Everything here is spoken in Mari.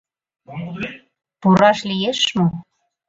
— Пураш лиеш мо?